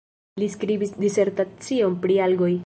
Li skribis disertacion pri algoj.